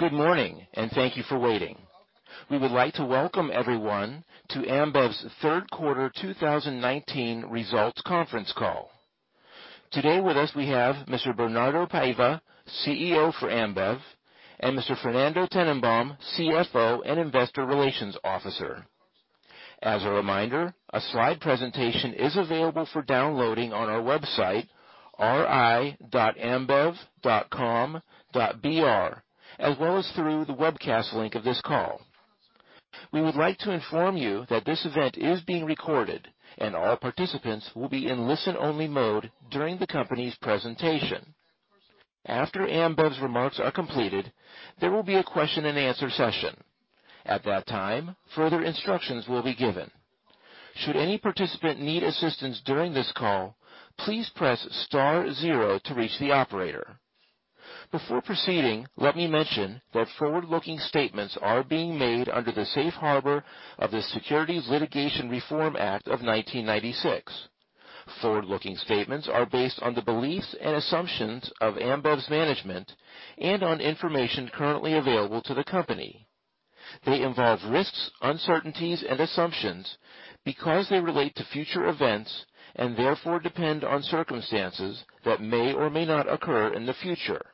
Good morning, and thank you for waiting. We would like to welcome everyone to Ambev's Third Quarter 2019 Results Conference Call. Today with us we have Mr. Bernardo Paiva, CEO for Ambev, and Mr. Fernando Tennenbaum, CFO and Investor Relations Officer. As a reminder, a slide presentation is available for downloading on our website, ri.ambev.com.br, as well as through the webcast link of this call. We would like to inform you that this event is being recorded and all participants will be in listen-only mode during the company's presentation. After Ambev's remarks are completed, there will be a question-and-answer session. At that time, further instructions will be given. Should any participant need assistance during this call, please press star zero to reach the operator. Before proceeding, let me mention that forward-looking statements are being made under the Safe Harbor of the Private Securities Litigation Reform Act of 1996. Forward-looking statements are based on the beliefs and assumptions of Ambev's management and on information currently available to the company. They involve risks, uncertainties, and assumptions because they relate to future events and therefore depend on circumstances that may or may not occur in the future.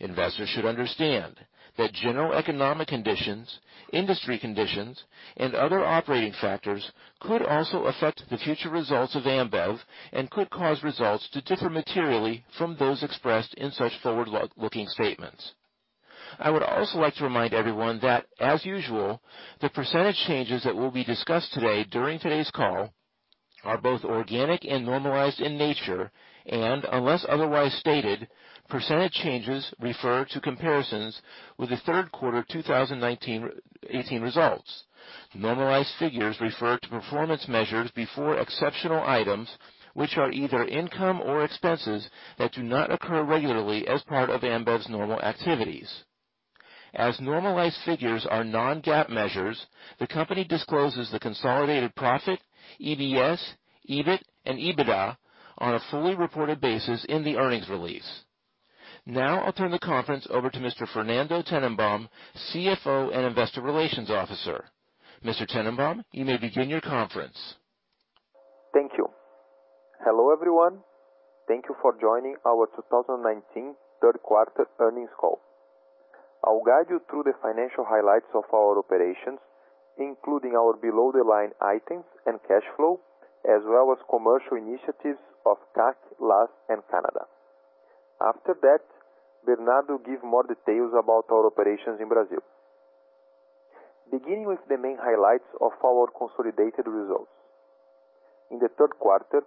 Investors should understand that general economic conditions, industry conditions, and other operating factors could also affect the future results of Ambev and could cause results to differ materially from those expressed in such forward-looking statements. I would also like to remind everyone that, as usual, the percentage changes that will be discussed today during today's call are both organic and normalized in nature. Unless otherwise stated, percentage changes refer to comparisons with the third quarter 2018 results. Normalized figures refer to performance measures before exceptional items, which are either income or expenses that do not occur regularly as part of Ambev's normal activities. As normalized figures are non-GAAP measures, the company discloses the consolidated profit, EPS, EBIT, and EBITDA on a fully reported basis in the earnings release. Now I'll turn the conference over to Mr. Fernando Tennenbaum, CFO and Investor Relations Officer. Mr. Tennenbaum, you may begin your conference. Thank you. Hello, everyone. Thank you for joining our 2019 third quarter earnings call. I'll guide you through the financial highlights of our operations, including our below-the-line items and cash flow, as well as commercial initiatives of CAC, LAS, and Canada. After that, Bernardo will give more details about our operations in Brazil. Beginning with the main highlights of our consolidated results. In the third quarter,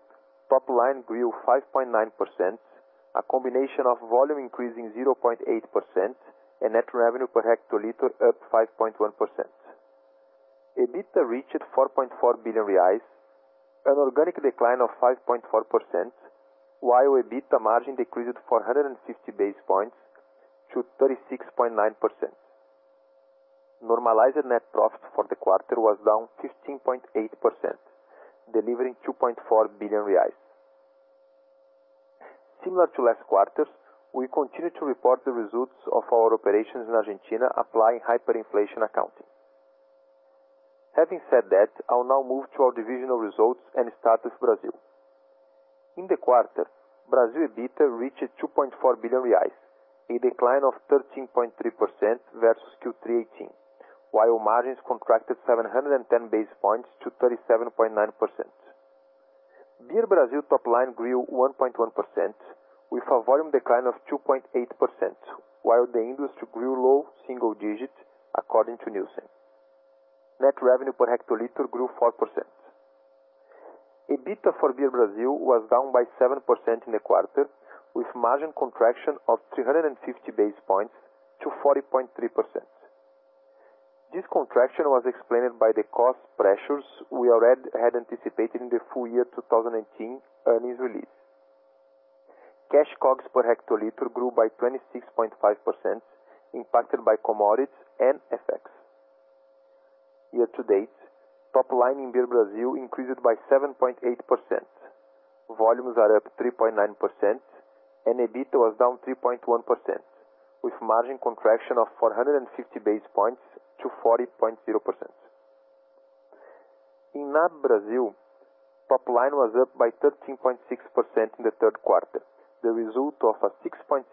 top line grew 5.9%, a combination of volume increasing 0.8% and net revenue per hectoliter up 5.1%. EBITDA reached 4.4 billion reais, an organic decline of 5.4%, while EBITDA margin decreased 450 basis points to 36.9%. Normalized net profit for the quarter was down 15.8%, delivering 2.4 billion reais. Similar to last quarters, we continue to report the results of our operations in Argentina applying hyperinflation accounting. Having said that, I'll now move to our divisional results and start with Brazil. In the quarter, Brazil EBITDA reached 2.4 billion reais, a decline of 13.3% versus Q3 2018, while margins contracted 710 basis points to 37.9%. Beer Brazil top line grew 1.1% with a volume decline of 2.8%, while the industry grew low single digit according to Nielsen. Net revenue per hectoliter grew 4%. EBITDA for Beer Brazil was down by 7% in the quarter, with margin contraction of 350 basis points to 40.3%. This contraction was explained by the cost pressures we already had anticipated in the full year 2018 earnings release. Cash COGS per hectoliter grew by 26.5%, impacted by commodities and FX. year-to-date, top line in Beer Brazil increased by 7.8%. Volumes are up 3.9% and EBITDA was down 3.1%, with margin contraction of 450 basis points to 40.0%. In NAB Brazil, top line was up by 13.6% in the third quarter, the result of a 6.6%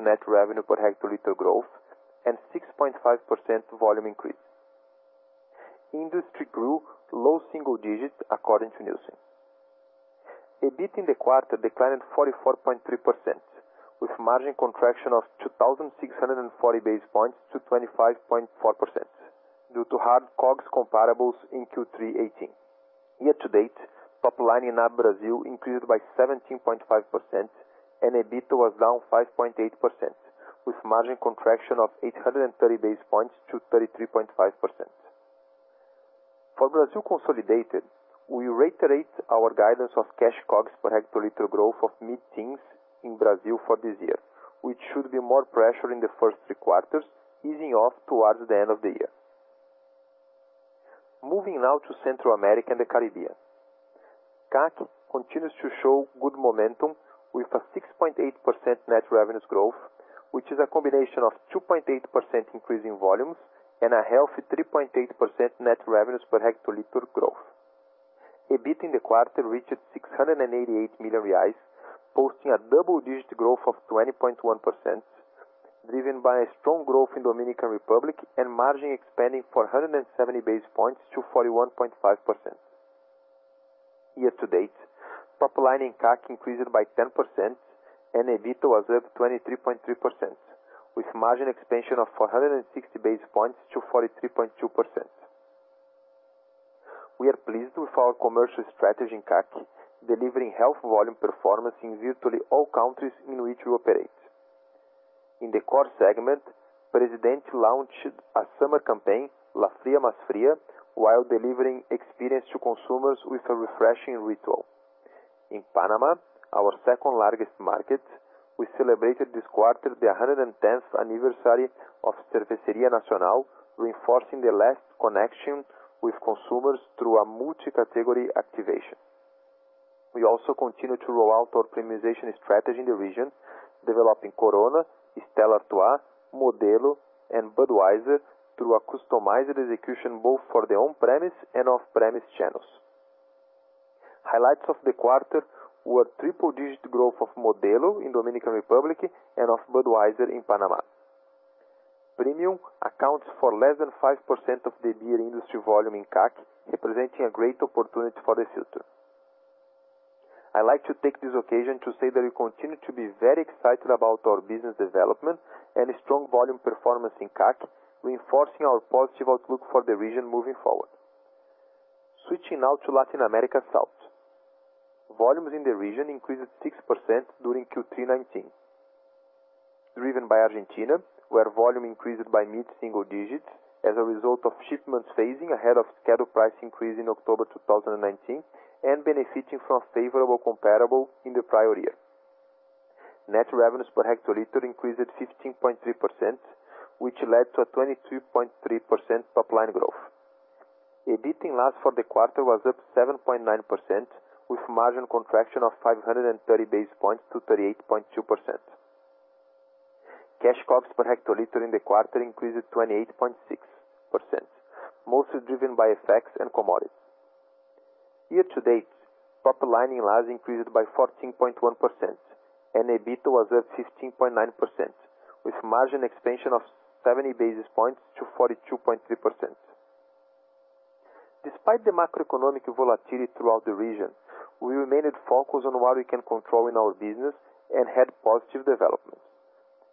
net revenue per hectoliter growth and 6.5% volume increase. Industry grew low single digits according to Nielsen. EBIT in the quarter declined 44.3%, with margin contraction of 2,640 basis points to 25.4% due to hard COGS comparables in Q3 2018. year-to-date, top line in NAB Brazil increased by 17.5% and EBITDA was down 5.8%, with margin contraction of 830 basis points to 33.5%. For Brazil consolidated, we reiterate our guidance of cash COGS per hectoliter growth of mid-teens in Brazil for this year, which should be more pressure in the first three quarters, easing off towards the end of the year. Moving now to Central America and the Caribbean. CAC continues to show good momentum with a 6.8% net revenues growth, which is a combination of 2.8% increase in volumes and a healthy 3.8% net revenues per hectoliter growth. EBIT in the quarter reached 688 million reais, posting a double-digit growth of 20.1%, driven by a strong growth in Dominican Republic and margin expanding 470 basis points to 41.5%. year-to-date, top line in CAC increased by 10% and EBIT was up 23.3% with margin expansion of 460 basis points to 43.2%. We are pleased with our commercial strategy in CAC, delivering healthy volume performance in virtually all countries in which we operate. In the core segment, Presidente launched a summer campaign, La Fría más Fría, while delivering experience to consumers with a refreshing ritual. In Panama, our second-largest market, we celebrated this quarter the 110th anniversary of Cervecería Nacional, reinforcing the lasting connection with consumers through a multi-category activation. We also continue to roll out our premiumization strategy in the region, developing Corona, Stella Artois, Modelo, and Budweiser through a customized execution both for the on-premise and off-premise channels. Highlights of the quarter were triple digit growth of Modelo in Dominican Republic and of Budweiser in Panama. Premium accounts for less than 5% of the beer industry volume in CAC, representing a great opportunity for the future. I like to take this occasion to say that we continue to be very excited about our business development and a strong volume performance in CAC, reinforcing our positive outlook for the region moving forward. Switching now to Latin America South. Volumes in the region increased 6% during Q3 2019. Driven by Argentina, where volume increased by mid-single digit as a result of shipments phasing ahead of scheduled price increase in October 2019 and benefiting from favorable comparable in the prior year. Net revenues per hectoliter increased 15.3%, which led to a 22.3% top line growth. EBIT in LAS for the quarter was up 7.9% with margin contraction of 530 basis points to 38.2%. Cash COGS per hectoliter in the quarter increased 28.6%, mostly driven by FX and commodities. year-to-date, top line in LAS increased by 14.1% and EBIT was up 16.9% with margin expansion of 70 basis points to 42.3%. Despite the macroeconomic volatility throughout the region, we remained focused on what we can control in our business and had positive developments.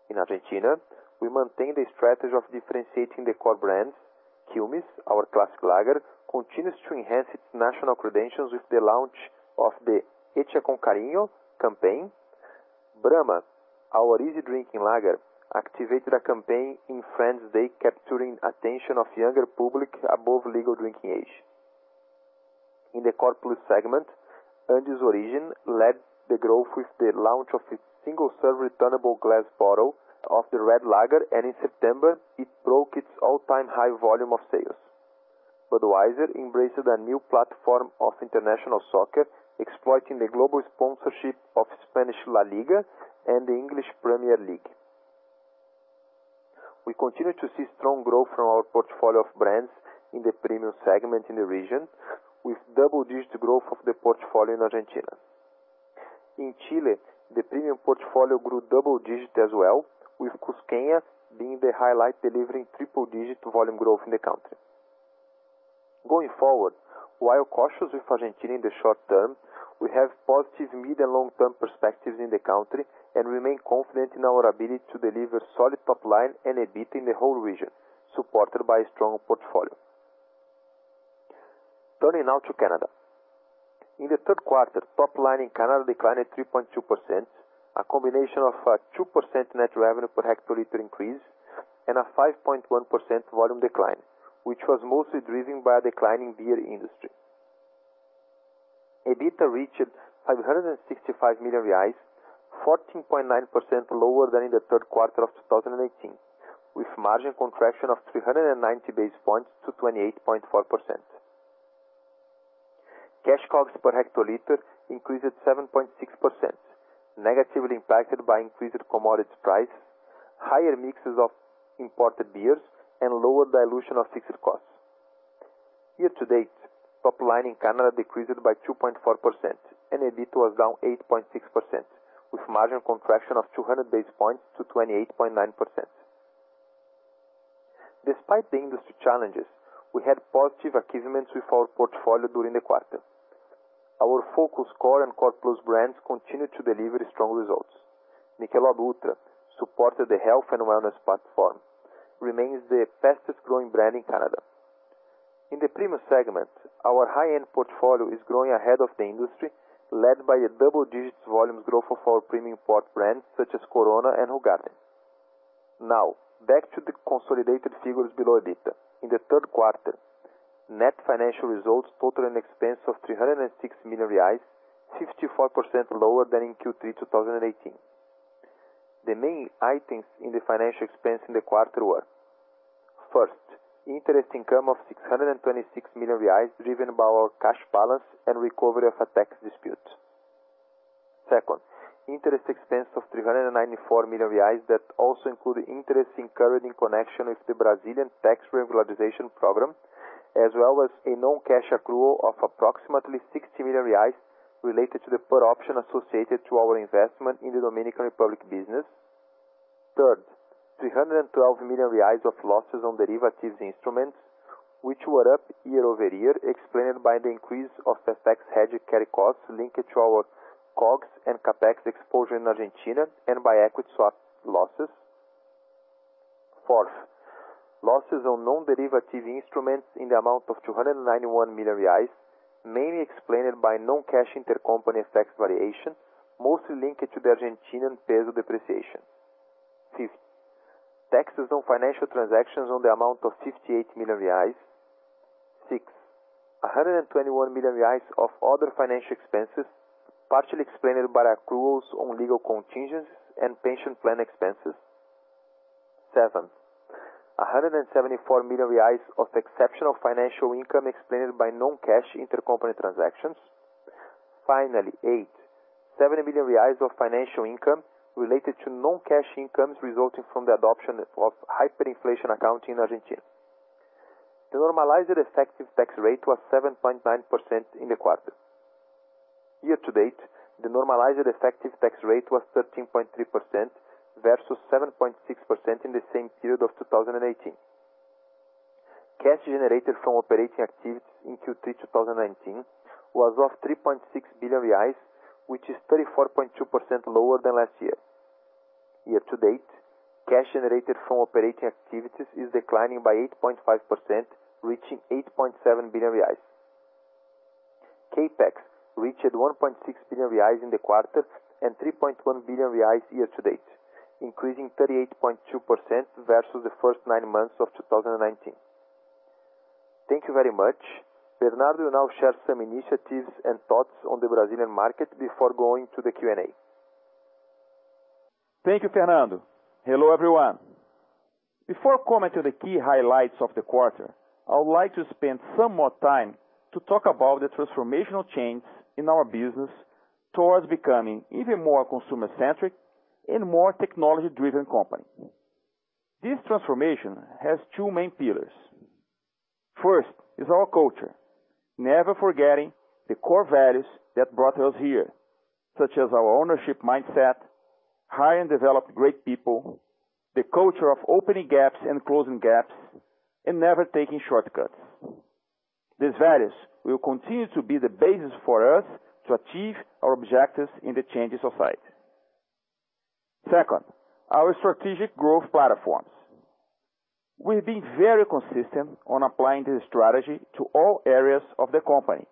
In Argentina, we maintain the strategy of differentiating the core brands. Quilmes, our classic lager, continues to enhance its national credentials with the launch of the Hecha con Cariño campaign. Brahma, our easy drinking lager, activated a campaign in Friends Day, capturing attention of younger public above legal drinking age. In the Core Plus segment, Andes Origen led the growth with the launch of its single-serve returnable glass bottle of the red lager, and in September, it broke its all-time high volume of sales. Budweiser embraced a new platform of international soccer, exploiting the global sponsorship of Spanish La Liga and the English Premier League. We continue to see strong growth from our portfolio of brands in the premium segment in the region, with double-digit growth of the portfolio in Argentina. In Chile, the premium portfolio grew double digit as well, with Cusqueña being the highlight, delivering triple-digit volume growth in the country. Going forward, while cautious with Argentina in the short term, we have positive mid and long-term perspectives in the country and remain confident in our ability to deliver solid top line and EBIT in the whole region, supported by a strong portfolio. Turning now to Canada. In the third quarter, top line in Canada declined 3.2%, a combination of a 2% net revenue per hectoliter increase and a 5.1% volume decline, which was mostly driven by a decline in beer industry. EBITDA reached 565 million reais, 14.9% lower than in the third quarter of 2018, with margin contraction of 390 basis points to 28.4%. Cash COGS per hectoliter increased 7.6%, negatively impacted by increased commodity prices, higher mixes of imported beers, and lower dilution of fixed costs. Year-to-date, top line in Canada decreased by 2.4% and EBIT was down 8.6% with margin contraction of 200 basis points to 28.9%. Despite the industry challenges, we had positive achievements with our portfolio during the quarter. Our focus Core and Core Plus brands continued to deliver strong results. Michelob Ultra, supported by the health and wellness platform, remains the fastest growing brand in Canada. In the premium segment, our high-end portfolio is growing ahead of the industry, led by double-digit volumes growth of our premium import brands such as Corona and Hoegaarden. Now, back to the consolidated figures below EBITDA. In the third quarter, net financial results totaled an expense of 306 million reais, 54% lower than in Q3 2018. The main items in the financial expense in the quarter were, first, interest income of 626 million reais driven by our cash balance and recovery of a tax dispute. Second, interest expense of 394 million reais that also include interest incurred in connection with the Brazilian tax regularization program, as well as a non-cash accrual of approximately 60 million reais related to the put option associated to our investment in the Dominican Republic business. Third, 312 million reais of losses on derivative instruments, which were up year-over-year, explained by the increase of the FX hedge carry costs linked to our COGS and CapEx exposure in Argentina and by equity swap losses. Fourth, losses on non-derivative instruments in the amount of 291 million reais, mainly explained by non-cash intercompany tax variation, mostly linked to the Argentinian peso depreciation. Fifth, taxes on financial transactions on the amount of 58 million reais. Sixth, 121 million reais of other financial expenses, partially explained by accruals on legal contingencies and pension plan expenses. Seventh, 174 million reais of exceptional financial income explained by non-cash intercompany transactions. Finally eighth, 70 million reais of financial income related to non-cash incomes resulting from the adoption of hyperinflation accounting in Argentina. The normalized effective tax rate was 7.9% in the quarter. Year-to-date, the normalized effective tax rate was 13.3% versus 7.6% in the same period of 2018. Cash generated from operating activities in Q3 2019 was 3.6 billion reais, which is 34.2% lower than last year. Year-to-date, cash generated from operating activities is declining by 8.5%, reaching 8.7 billion reais. CapEx reached 1.6 billion reais in the quarter and 3.1 billion reais year-to-date, increasing 38.2% versus the first nine months of 2019. Thank you very much. Bernardo will now share some initiatives and thoughts on the Brazilian market before going to the Q&A. Thank you, Fernando. Hello, everyone. Before commenting on the key highlights of the quarter, I would like to spend some more time to talk about the transformational change in our business towards becoming even more consumer-centric and more technology-driven company. This transformation has two main pillars. First is our culture, never forgetting the core values that brought us here, such as our ownership mindset, hire and develop great people, the culture of opening gaps and closing gaps, and never taking shortcuts. These values will continue to be the basis for us to achieve our objectives in these changing times. Second, our strategic growth platforms. We've been very consistent on applying this strategy to all areas of the company,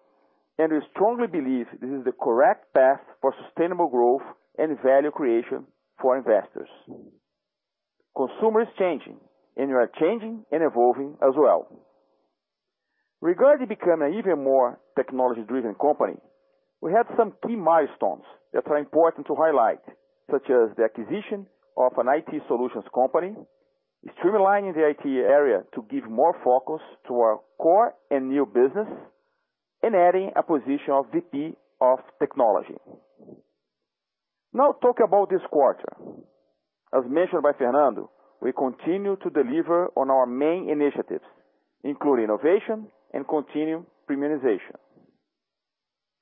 and we strongly believe this is the correct path for sustainable growth and value creation for investors. Consumer is changing, and we are changing and evolving as well. Regarding becoming an even more technology-driven company, we have some key milestones that are important to highlight, such as the acquisition of an IT solutions company, streamlining the IT area to give more focus to our core and new business, and adding a position of VP of Technology. Now, talk about this quarter. As mentioned by Fernando, we continue to deliver on our main initiatives, including innovation and continued premiumization.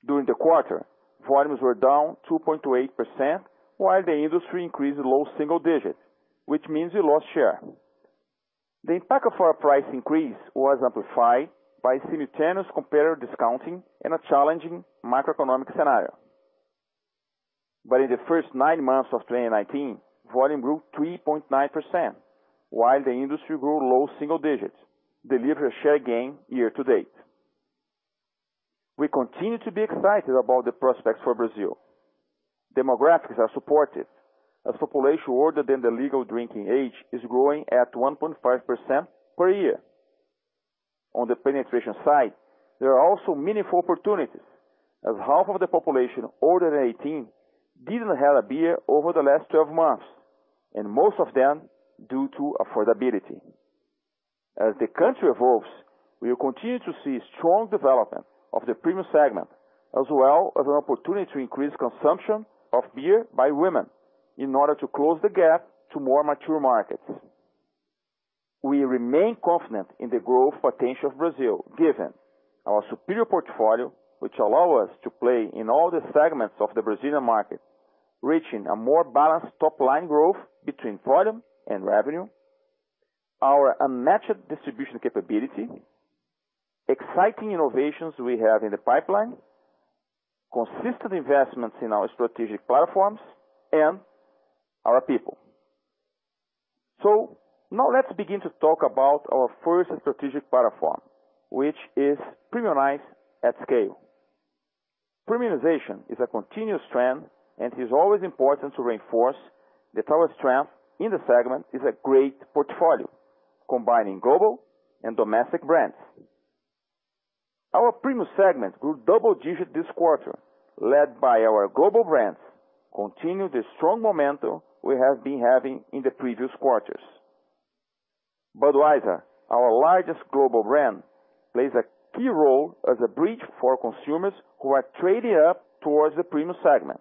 During the quarter, volumes were down 2.8%, while the industry increased low single digits, which means we lost share. The impact of our price increase was amplified by simultaneous competitor discounting and a challenging macroeconomic scenario. In the first nine months of 2019, volume grew 3.9%, while the industry grew low single-digits, delivering a share gain year-to-date. We continue to be excited about the prospects for Brazil. Demographics are supportive, as population older than the legal drinking age is growing at 1.5% per year. On the penetration side, there are also meaningful opportunities, as half of the population older than 18 didn't have a beer over the last 12 months, and most of them due to affordability. As the country evolves, we will continue to see strong development of the premium segment, as well as an opportunity to increase consumption of beer by women in order to close the gap to more mature markets. We remain confident in the growth potential of Brazil, given our superior portfolio, which allow us to play in all the segments of the Brazilian market, reaching a more balanced top-line growth between volume and revenue, our unmatched distribution capability, exciting innovations we have in the pipeline, consistent investments in our strategic platforms, and our people. Now let's begin to talk about our first strategic platform, which is premiumize at scale. Premiumization is a continuous trend, and it is always important to reinforce that our strength in the segment is a great portfolio combining global and domestic brands. Our premium segment grew double-digit this quarter, led by our global brands, continuing the strong momentum we have been having in the previous quarters. Budweiser, our largest global brand, plays a key role as a bridge for consumers who are trading up towards the premium segment.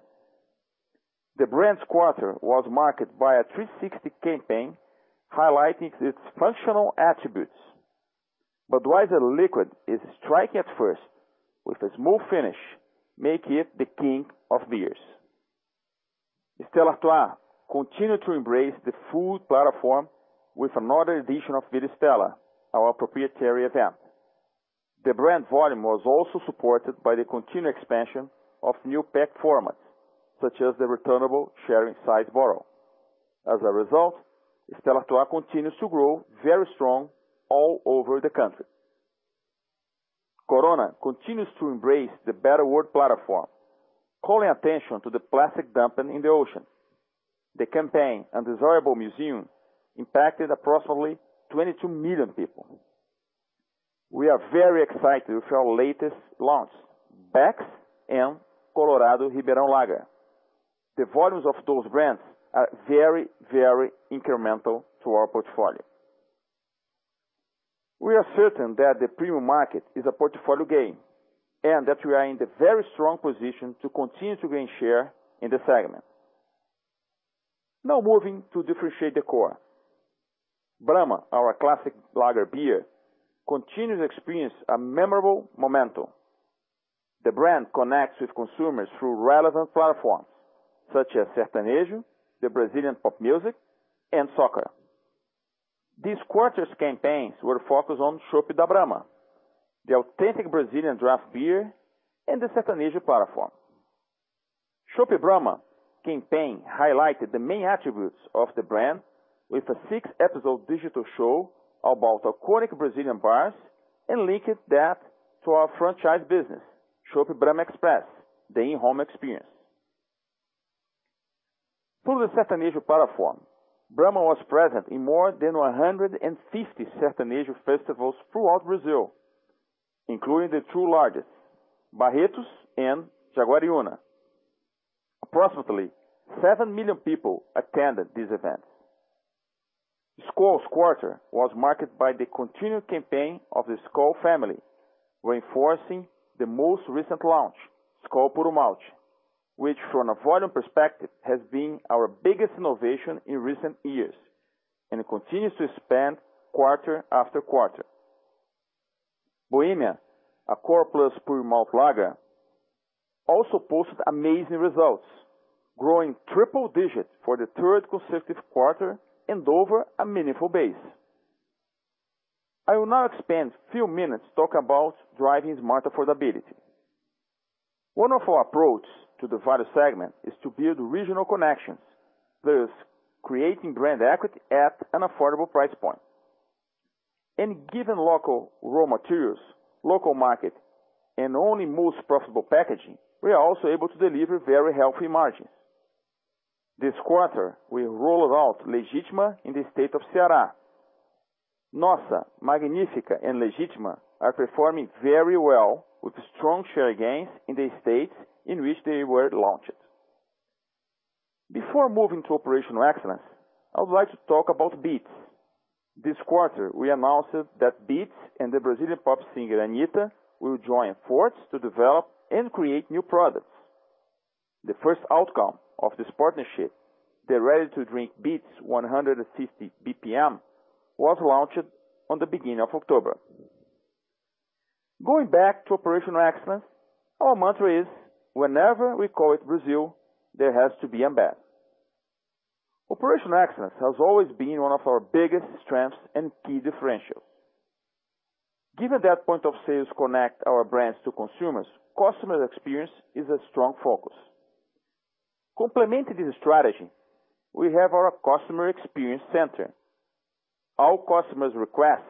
The brand's quarter was marked by a 360 campaign highlighting its functional attributes. Budweiser liquid is striking at first with a smooth finish, making it the king of beers. Stella Artois continued to embrace the food platform with another edition of Villa Stella, our proprietary event. The brand volume was also supported by the continued expansion of new pack formats, such as the returnable sharing size bottle. As a result, Stella Artois continues to grow very strong all over the country. Corona continues to embrace the Better World platform, calling attention to the plastic dumping in the ocean. The campaign, Undesirable Museum, impacted approximately 22 million people. We are very excited with our latest launch, Beck's and Colorado Ribeirão Lager. The volumes of those brands are very, very incremental to our portfolio. We are certain that the premium market is a portfolio gain and that we are in the very strong position to continue to gain share in the segment. Now moving to differentiate the core. Brahma, our classic lager beer, continues to experience a remarkable momentum. The brand connects with consumers through relevant platforms such as Sertanejo, the Brazilian pop music, and soccer. This quarter's campaigns were focused on Chopp Brahma, the authentic Brazilian draft beer in the Sertanejo platform. Chopp Brahma campaign highlighted the main attributes of the brand with a six-episode digital show about iconic Brazilian bars and linked that to our franchise business, Chopp Brahma Express, the in-home experience. Through the Sertanejo platform, Brahma was present in more than 150 Sertanejo festivals throughout Brazil, including the two largest, Barretos and Jaguariúna. Approximately seven million people attended this event. Skol's quarter was marked by the continued campaign of the Skol family, reinforcing the most recent launch, Skol Puro Malte, which from a volume perspective, has been our biggest innovation in recent years and continues to expand quarter after quarter. Bohemia, a core plus pure malt lager, also posted amazing results, growing triple digits for the third consecutive quarter and over a meaningful base. I will now expand a few minutes to talk about driving smart affordability. One of our approach to the value segment is to build regional connections, thus creating brand equity at an affordable price point. Given local raw materials, local market, and only most profitable packaging, we are also able to deliver very healthy margins. This quarter, we rolled out Legítima in the state of Ceará. Nossa, Magnífica, and Legítima are performing very well with strong share gains in the states in which they were launched. Before moving to operational excellence, I would like to talk about Beats. This quarter, we announced that Beats and the Brazilian pop singer Anitta will join forces to develop and create new products. The first outcome of this partnership, the ready-to-drink Beats 150 BPM, was launched at the beginning of October. Going back to operational excellence, our mantra is, whenever we call it Brazil, there has to be Ambev. Operational excellence has always been one of our biggest strengths and key differentiators. Given that points of sale connect our brands to consumers, customer experience is a strong focus. Complementing this strategy, we have our customer experience center. All customers' requests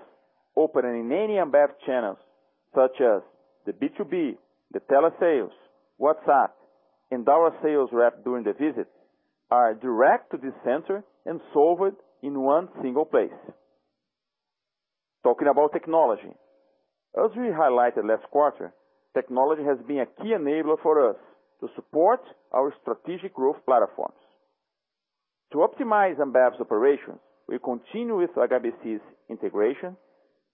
opened in any Ambev channels, such as the B2B, the telesales, WhatsApp, and our sales rep during the visit, are directed to this center and solved in one single place. Talking about technology. As we highlighted last quarter, technology has been a key enabler for us to support our strategic growth platforms. To optimize Ambev's operations, we continue with HBSIS integration,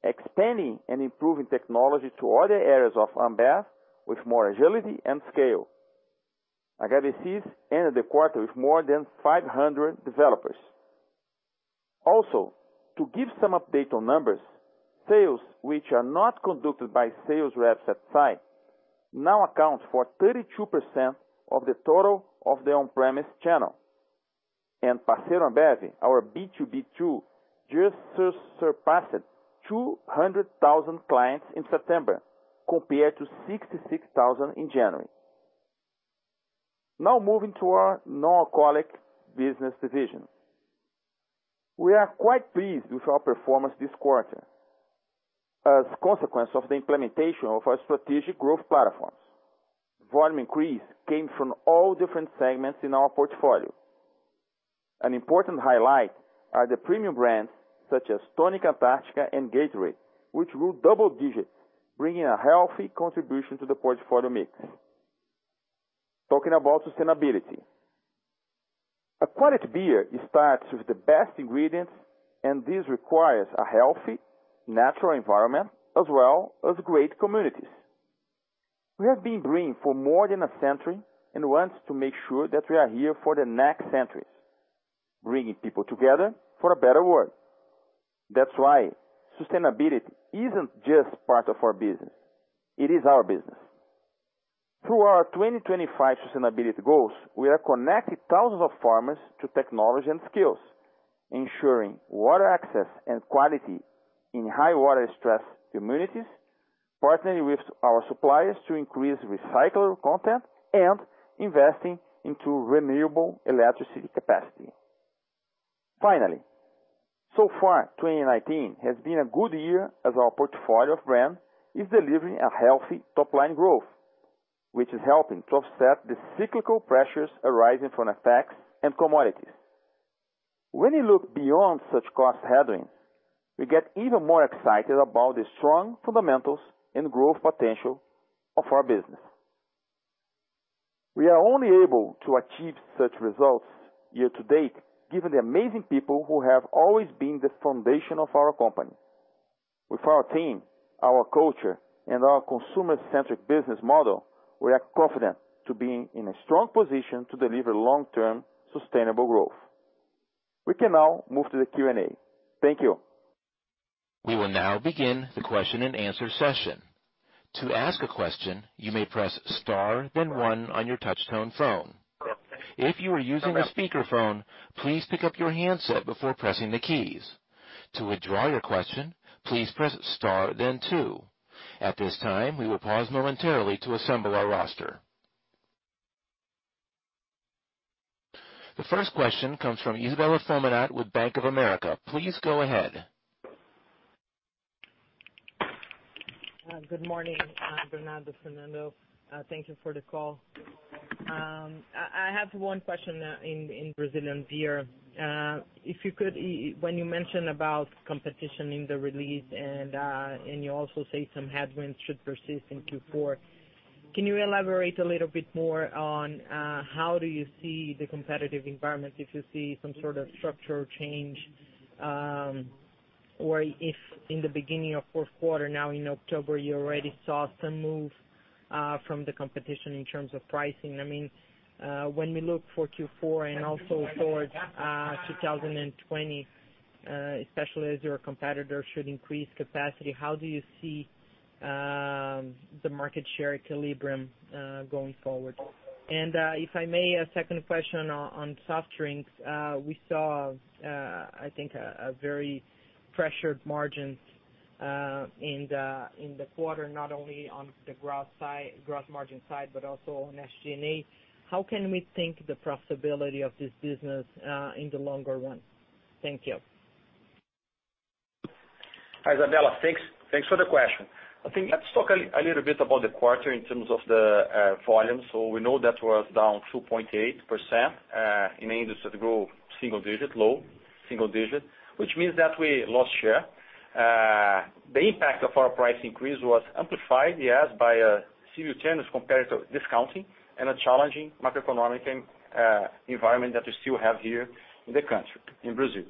expanding and improving technology to other areas of Ambev with more agility and scale. HBSIS ended the quarter with more than 500 developers. Also, to give some update on numbers, sales which are not conducted by sales reps at site now account for 32% of the total of the on-premise channel. Parceiro BEES, our B2B tool, just surpassed 200,000 clients in September, compared to 66,000 in January. Now moving to our non-alcoholic business division. We are quite pleased with our performance this quarter. As a consequence of the implementation of our strategic growth platforms, volume increase came from all different segments in our portfolio. An important highlight are the premium brands such as Tônica Antarctica and Gatorade, which grew double digits, bringing a healthy contribution to the portfolio mix. Talking about sustainability. A quality beer starts with the best ingredients, and this requires a healthy natural environment as well as great communities. We have been brewing for more than a century and want to make sure that we are here for the next centuries, bringing people together for a better world. That's why sustainability isn't just part of our business, it is our business. Through our 2025 sustainability goals, we are connecting thousands of farmers to technology and skills, ensuring water access and quality in high water stress communities, partnering with our suppliers to increase recycled content, and investing into renewable electricity capacity. Finally, so far, 2019 has been a good year as our portfolio of brands is delivering a healthy top line growth, which is helping to offset the cyclical pressures arising from taxes and commodities. When we look beyond such cost headwinds, we get even more excited about the strong fundamentals and growth potential of our business. We are only able to achieve such results year-to-date, given the amazing people who have always been the foundation of our company. With our team, our culture, and our consumer-centric business model, we are confident in being in a strong position to deliver long-term sustainable growth. We can now move to the Q&A. Thank you. We will now begin the question-and-answer session. To ask a question, you may press star, then one on your touchtone phone. If you are using a speakerphone, please pick up your handset before pressing the keys. To withdraw your question, please press star then two. At this time, we will pause momentarily to assemble our roster. The first question comes from Isabella Simonato with Bank of America. Please go ahead. Good morning, Bernardo, Fernando. Thank you for the call. I have one question in Brazilian beer. If you could, when you mentioned about competition in the release and you also say some headwinds should persist in Q4. Can you elaborate a little bit more on how do you see the competitive environment, if you see some sort of structural change, or if in the beginning of fourth quarter, now in October, you already saw some move from the competition in terms of pricing? I mean, when we look for Q4 and also towards 2020, especially as your competitor should increase capacity, how do you see the market share equilibrium going forward? If I may, a second question on soft drinks. We saw, I think, a very pressured margins in the quarter, not only on the gross margin side, but also on SG&A. How can we think the profitability of this business in the longer run? Thank you. Isabella, thanks. Thanks for the question. I think let's talk a little bit about the quarter in terms of the volume. We know that was down 2.8%, in an industry that grew single digit, low single digit, which means that we lost share. The impact of our price increase was amplified, yes, by a series of competitor discounting and a challenging macroeconomic and environment that we still have here in the country, in Brazil.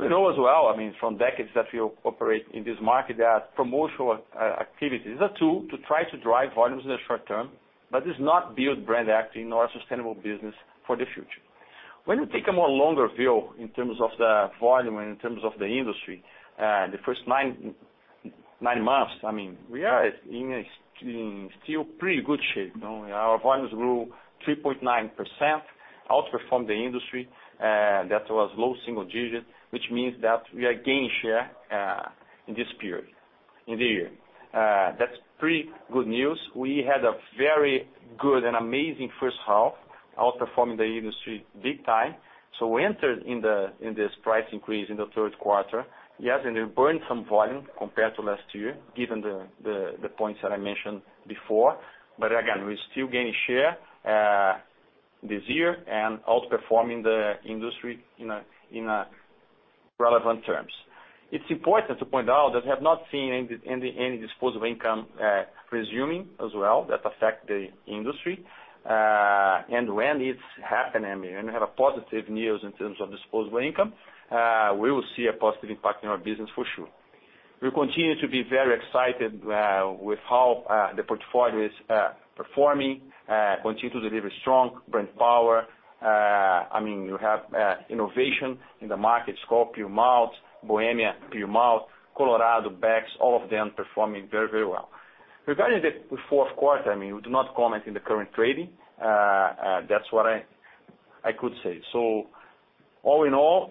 We know as well, I mean, from decades that we operate in this market, that promotional activities is a tool to try to drive volumes in the short term, but does not build brand equity nor a sustainable business for the future. When you take a more longer view in terms of the volume and in terms of the industry, the first nine months, I mean, we are in a still pretty good shape. Our volumes grew 3.9%, outperformed the industry that was low single digits, which means that we are gaining share in this period, in the year. That's pretty good news. We had a very good and amazing first half, outperforming the industry big time. We entered in this price increase in the third quarter. Yes, and we burned some volume compared to last year, given the points that I mentioned before. Again, we're still gaining share this year and outperforming the industry in relevant terms. It's important to point out that we have not seen any disposable income resuming as well that affect the industry. When it's happening, I mean, when we have positive news in terms of disposable income, we will see a positive impact in our business for sure. We continue to be very excited with how the portfolio is performing, continue to deliver strong brand power. I mean, you have innovation in the market. Skol Puro Malte, Bohemia Puro Malte, Colorado, Beck's, all of them performing very well. Regarding the fourth quarter, I mean, we do not comment on the current trading. That's what I could say. All in all,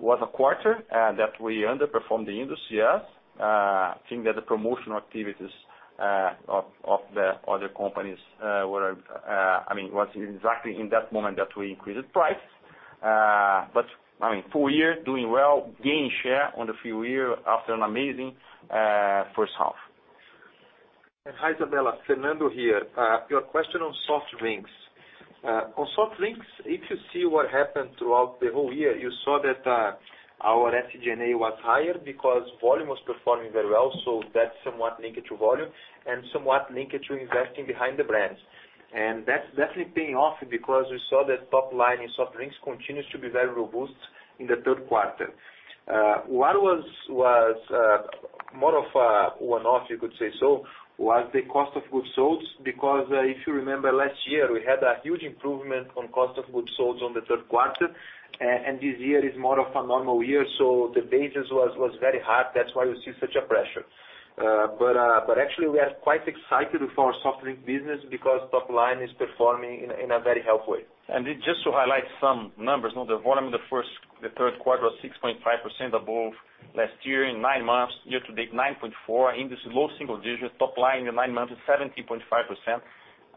was a quarter that we underperformed the industry, yes. I think that the promotional activities of the other companies, I mean, was exactly in that moment that we increased price. I mean, full year doing well, gaining share on the full year after an amazing first half. Hi, Isabella. Fernando here. Your question on soft drinks. On soft drinks, if you see what happened throughout the whole year, you saw that our SG&A was higher because volume was performing very well, so that's somewhat linked to volume and somewhat linked to investing behind the brands. That's definitely paying off because we saw that top line in soft drinks continues to be very robust in the third quarter. What was more of a one-off, you could say so, was the cost of goods sold because if you remember last year, we had a huge improvement on cost of goods sold on the third quarter. This year is more of a normal year, so the basis was very high. That's why you see such a pressure. Actually we are quite excited for our soft drink business because top line is performing in a very healthy way. Just to highlight some numbers. Now the volume in the third quarter was 6.5% above last year. In nine months, year-to-date, 9.4%. Industry is low single digits. Top line in nine months is 17.5%.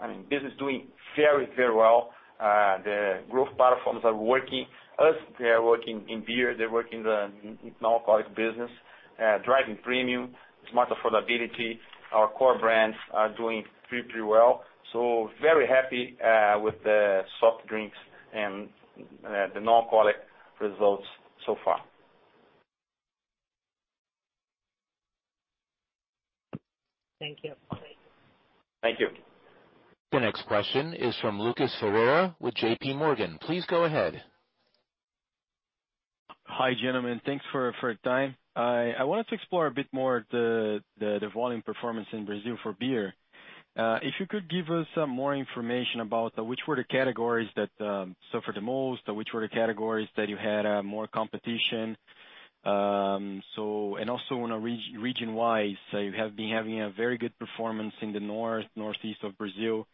I mean, business doing very, very well. The growth platforms are working. Yes, they are working in beer, they work in the non-alcoholic business, driving premium, smart affordability. Our core brands are doing pretty well. Very happy with the soft drinks and the non-alcoholic results so far. Thank you. Thank you. The next question is from Lucas Ferreira with JPMorgan. Please go ahead. Hi, gentlemen. Thanks for your time. I wanted to explore a bit more the volume performance in Brazil for beer. If you could give us some more information about which were the categories that suffered the most or which were the categories that you had more competition. Also on a region-wise, you have been having a very good performance in the North, Northeast of Brazil,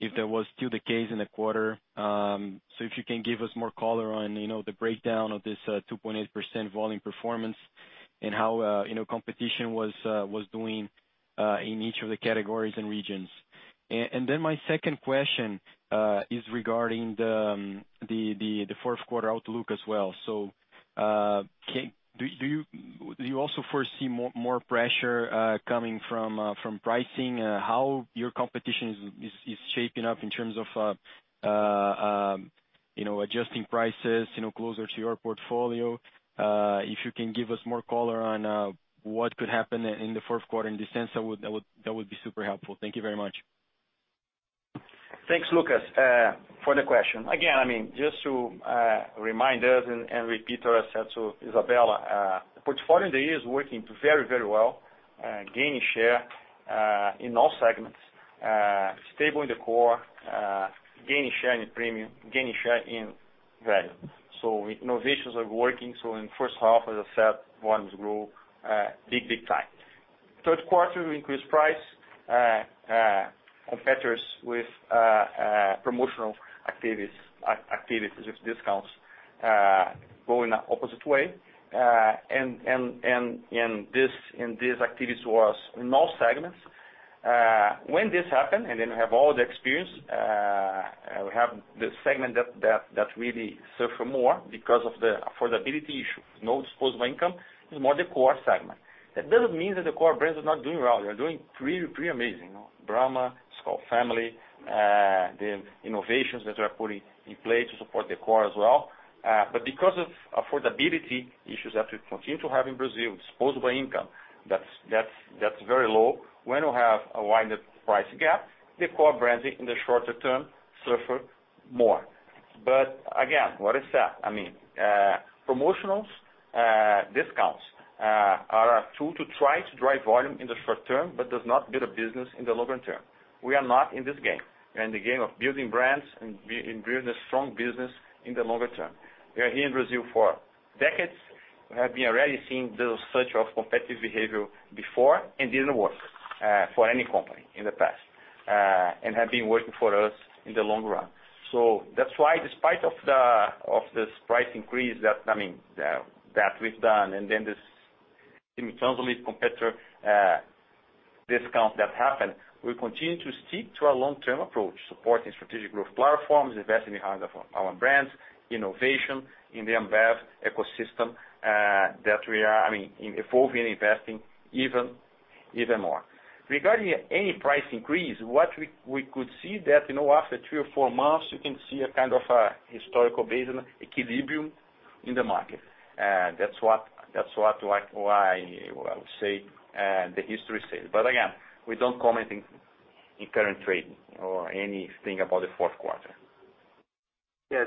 if that was still the case in the quarter. If you can give us more color on, you know, the breakdown of this 2.8% volume performance and how, you know, competition was doing in each of the categories and regions. My second question is regarding the fourth quarter outlook as well. Do you also foresee more pressure coming from pricing? How your competition is shaping up in terms of you know adjusting prices you know closer to your portfolio? If you can give us more color on what could happen in the fourth quarter in this sense, that would be super helpful. Thank you very much. Thanks, Lucas, for the question. Again, I mean, just to remind us and repeat ourselves to Isabella, the portfolio there is working very, very well, gaining share in all segments, stable in the core, gaining share in the premium, gaining share in value. Innovations are working. In the first half, as I said, volumes grew big, big time. Third quarter, we increased price. Competitors with promotional activities with discounts go in the opposite way. These activities were in all segments. When this happened, and then we have all the experience, we have the segment that really suffer more because of the affordability issue, low disposable income, is more the core segment. That doesn't mean that the core brands are not doing well. They are doing pretty amazing. Brahma, Skol family, the innovations that we are putting in place to support the core as well. Because of affordability issues that we continue to have in Brazil, disposable income, that's very low. When you have a widened price gap, the core brands in the shorter term suffer more. Again, what I said, I mean, promotionals, discounts, are a tool to try to drive volume in the short term, but does not build a business in the longer term. We are not in this game. We're in the game of building brands and building a strong business in the longer term. We are here in Brazil for decades. We have been already seeing this search of competitive behavior before, and it didn't work for any company in the past, and have been working for us in the long run. That's why despite of this price increase, I mean, that we've done, and then this semi-transparent competitive discount that happened, we continue to stick to our long-term approach, supporting strategic growth platforms, investing behind our brands, innovation in the Ambev ecosystem, that we are, I mean, evolving and investing even more. Regarding any price increase, what we could see that, you know, after three or four months, you can see a kind of a historical base and equilibrium in the market. That's what I would say, the history says. Again, we don't comment in current trading or anything about the fourth quarter. Yes,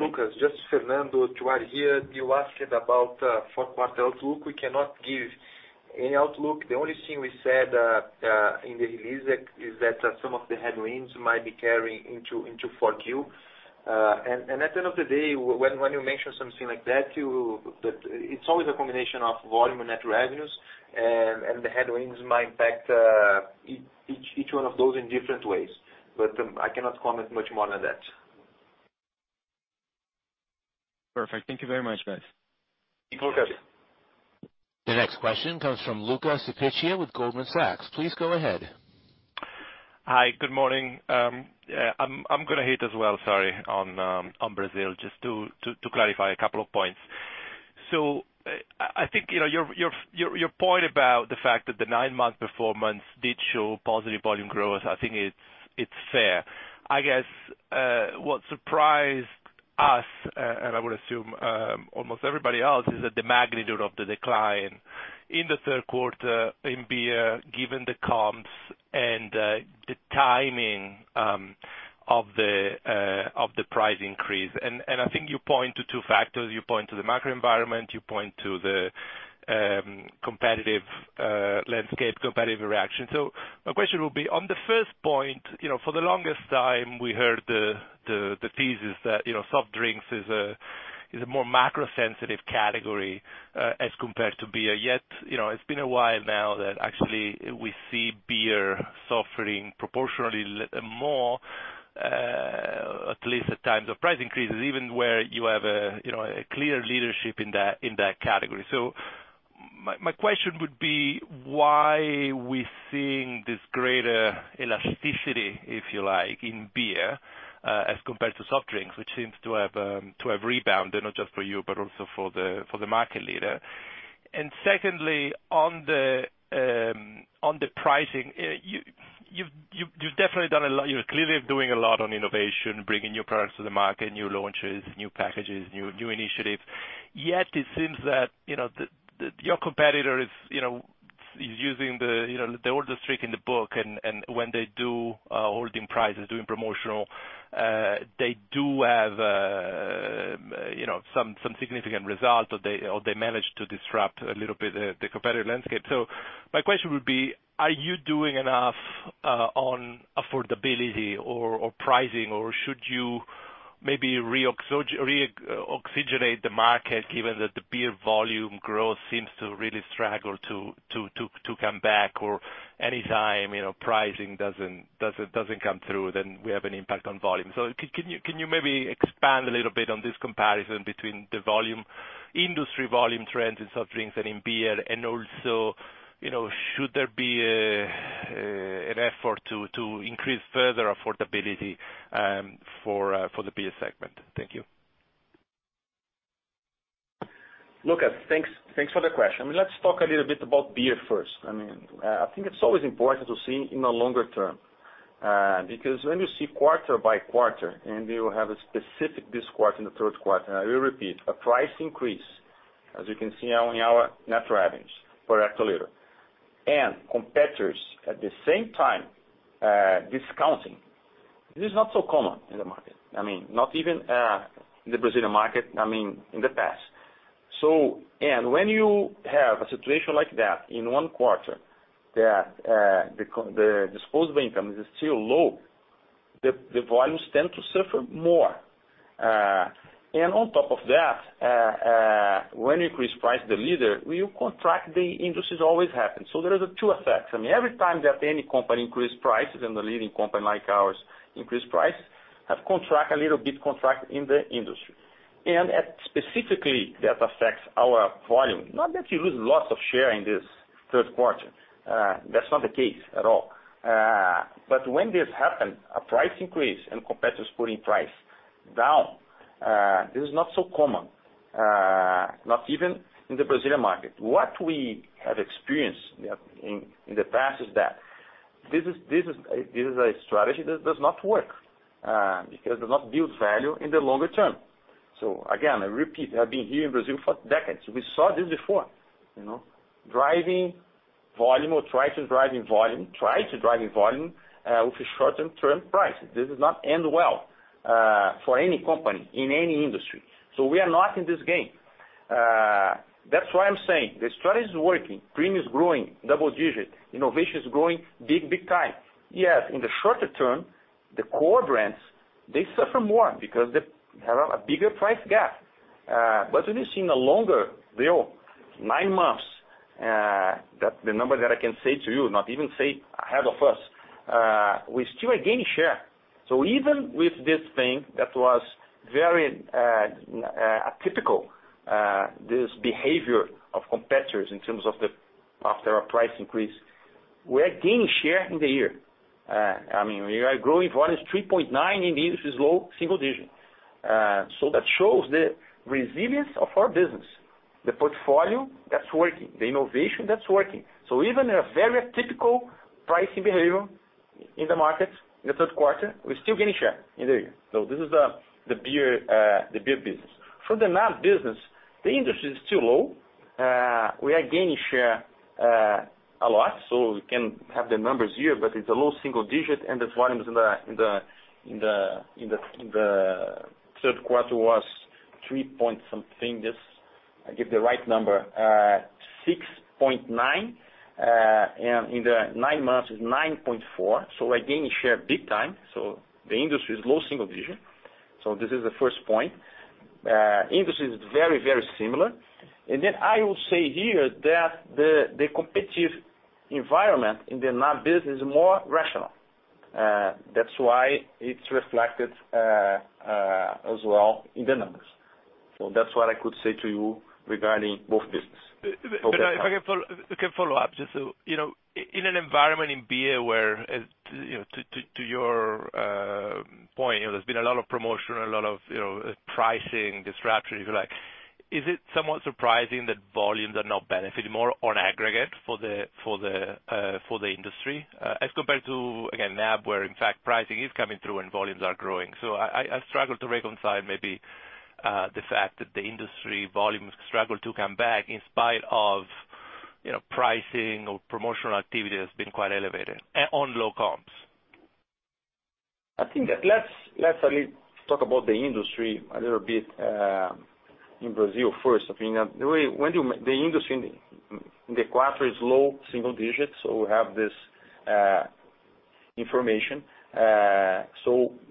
Lucas, this is Fernando, while you are here, you asked about fourth quarter outlook. We cannot give any outlook. The only thing we said in the release is that some of the headwinds might be carrying into 4Q. At the end of the day, when you mention something like that it's always a combination of volume and net revenues and the headwinds might impact each one of those in different ways. I cannot comment much more than that. Perfect. Thank you very much, guys. Thanks, Lucas. The next question comes from Luca Cipiccia with Goldman Sachs. Please go ahead. Hi, good morning. Yeah, I'm gonna hit as well, sorry, on Brazil, just to clarify a couple of points. I think, you know, your point about the fact that the nine-month performance did show positive volume growth, I think it's fair. I guess what surprised us and I would assume almost everybody else, is that the magnitude of the decline in the third quarter in beer, given the comps and the timing of the price increase. I think you point to two factors. You point to the macro environment, you point to the competitive landscape, competitive reaction. My question would be, on the first point, you know, for the longest time we heard the thesis that, you know, soft drinks is a more macro sensitive category, as compared to beer. Yet, you know, it's been a while now that actually we see beer suffering proportionally more, at least at times of price increases, even where you have a, you know, a clear leadership in that category. My question would be why we're seeing this greater elasticity, if you like, in beer, as compared to soft drinks, which seems to have rebounded, not just for you, but also for the market leader. Secondly, on the pricing, you've definitely done a lot, you're clearly doing a lot on innovation, bringing new products to the market, new launches, new packages, new initiatives. Yet it seems that, you know, your competitor is, you know, using the, you know, all the tricks in the book and when they do holding prices, doing promotions, they do have, you know, some significant results or they manage to disrupt a little bit the competitive landscape. My question would be, are you doing enough on affordability or pricing, or should you maybe oxygenate the market given that the beer volume growth seems to really struggle to come back or any time, you know, pricing doesn't come through, then we have an impact on volume. Can you maybe expand a little bit on this comparison between the volume, industry volume trends in soft drinks and in beer and also, you know, should there be an effort to increase further affordability for the beer segment? Thank you. Luca, thanks for the question. Let's talk a little bit about beer first. I mean, I think it's always important to see in the longer term, because when you see quarter by quarter and you have a specific this quarter, in the third quarter, I will repeat, a price increase, as you can see on our net revenues per hectoliter, and competitors at the same time, discounting, this is not so common in the market. I mean, not even in the Brazilian market, I mean, in the past. When you have a situation like that in one quarter that the disposable income is still low, the volumes tend to suffer more. And on top of that, when you increase price, the leader, you contract the industry as always happen. So there is two effects. I mean, every time that any company increase prices and the leading company like ours increase price, has a little bit contraction in the industry. Specifically, that affects our volume. Not that you lose lots of share in this third quarter. That's not the case at all. When this happen, a price increase and competitors putting price down, this is not so common, not even in the Brazilian market. What we have experienced in the past is that this is a strategy that does not work, because it does not build value in the longer term. Again, I repeat, I've been here in Brazil for decades. We saw this before, you know. Driving volume or trying to drive volume with a short-term price. This does not end well for any company in any industry. We are not in this game. That's why I'm saying the strategy is working. Premium is growing double-digit. Innovation is growing big, big time. Yes, in the shorter term, the core brands, they suffer more because they have a bigger price gap. But when you see in a longer view, nine months, that the number that I can say to you, not even say ahead of us, we still gain share. Even with this thing that was very atypical, this behavior of competitors in terms of after a price increase, we are gaining share in the year. I mean, we are growing volume 3.9% and the industry is low single-digit. That shows the resilience of our business, the portfolio that's working, the innovation that's working. Even in a very atypical pricing behavior in the market in the third quarter, we're still gaining share in the year. This is the beer business. For the NAB business, the industry is still low. We are gaining share a lot, so we can have the numbers here, but it's a low single digit, and the volumes in the third quarter was 6.9%. Just give the right number. 6.9%, and in the nine months, it's 9.4%. We're gaining share big time. The industry is low single digit. This is the first point. Industry is very similar. I will say here that the competitive environment in the NAB business is more rational. That's why it's reflected, as well in the numbers. That's what I could say to you regarding both business. If I can follow up, just so you know, in an environment in beer where, to your point, you know, there's been a lot of promotion, a lot of, you know, pricing disruptions, like, is it somewhat surprising that volumes are not benefiting more on aggregate for the industry, as compared to, again, NAB where in fact pricing is coming through and volumes are growing. I struggle to reconcile maybe the fact that the industry volumes struggle to come back in spite of, you know, pricing or promotional activity that's been quite elevated on low comps. I think let's at least talk about the industry a little bit in Brazil first. I mean, the industry in the quarter is low single digits%, so we have this information.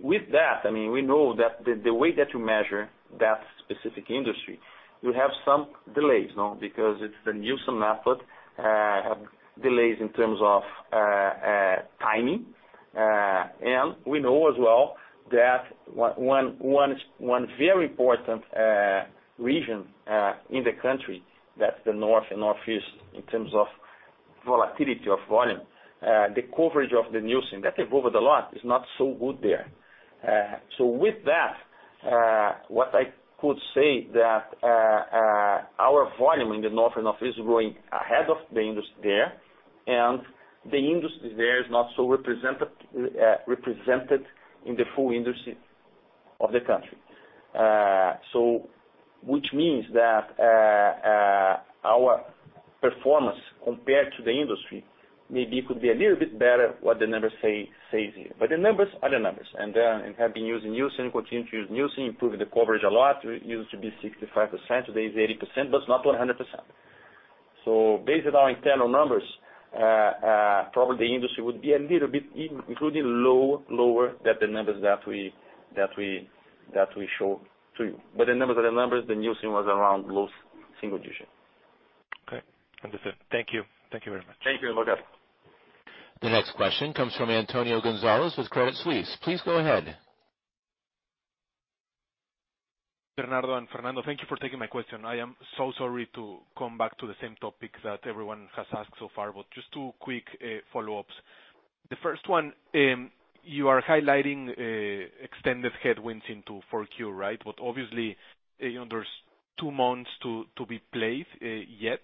With that, I mean, we know that the way that you measure that specific industry, you have some delays, you know, because it's the Nielsen method have delays in terms of timing. We know as well that one very important region in the country, that's the North and Northeast, in terms of volatility of volume. The coverage of the Nielsen, that improved a lot, is not so good there. With that, what I could say that our volume in the north and northeast is growing ahead of the industry there, and the industry there is not so represented in the full industry of the country. Which means that our performance compared to the industry maybe could be a little bit better than what the numbers say here. The numbers are the numbers, and have been using Nielsen, continue to use Nielsen, improving the coverage a lot. It used to be 65%, today it's 80%, but it's not 100%. Based on our internal numbers, probably the industry would be a little bit lower than the numbers that we show to you. The numbers are the numbers. The Nielsen was around low single digit. Okay, understood. Thank you. Thank you very much. Thank you, Luca Cipiccia. The next question comes from Antonio Gonzalez with Credit Suisse. Please go ahead. Bernardo and Fernando, thank you for taking my question. I am so sorry to come back to the same topic that everyone has asked so far, but just two quick follow-ups. The first one, you are highlighting extended headwinds into 4Q, right? But obviously, you know, there's two months to be played yet.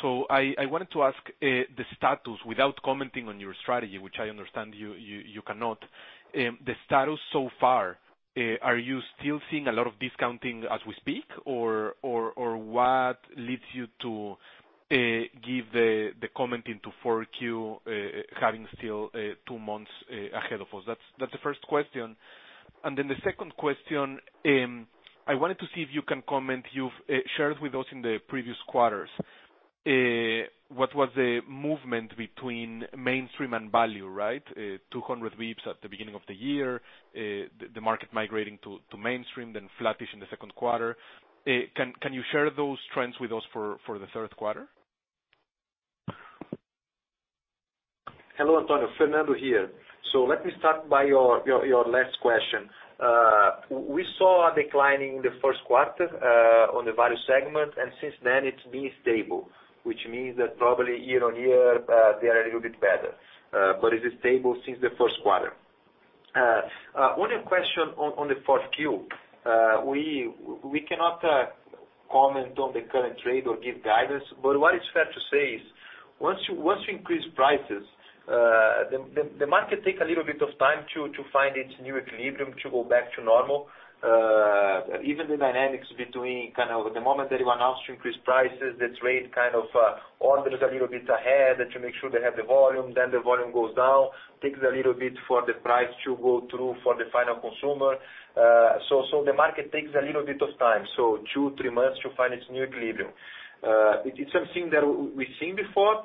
So I wanted to ask the status without commenting on your strategy, which I understand you cannot. The status so far, are you still seeing a lot of discounting as we speak? Or what leads you to give the comment into 4Q, having still two months ahead of us? That's the first question. The second question, I wanted to see if you can comment. You've shared with us in the previous quarters what was the movement between mainstream and value, right? 200 basis points at the beginning of the year, the market migrating to mainstream, then flattish in the second quarter. Can you share those trends with us for the third quarter? Hello, Antonio. Fernando here. Let me start by your last question. We saw a decline in the first quarter on the value segment, and since then it's been stable, which means that probably year-over-year they are a little bit better. It is stable since the first quarter. On your question on the fourth quarter, we cannot comment on the current quarter or give guidance, but what is fair to say is once you increase prices, the market take a little bit of time to find its new equilibrium to go back to normal. Even the dynamics between kind of the moment that you announce to increase prices, the trade kind of orders a little bit ahead to make sure they have the volume, then the volume goes down, takes a little bit for the price to go through for the final consumer. So the market takes a little bit of time, so two, three months to find its new equilibrium. It is something that we've seen before.